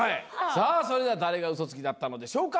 さあそれでは誰がウソつきだったのでしょうか？